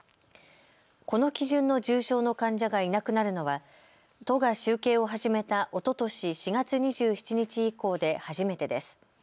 この基準の重症の患者がいなくなるのは都が集計を始めたおととし４月２７日以降で初めてです。